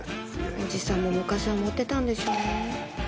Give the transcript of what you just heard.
おじさんも昔はモテたんでしょうね。